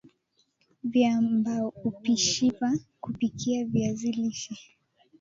Viambaupishivya kupikia viazi lishe